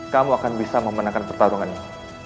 kamu akan bisa memenangkan pertarungan ini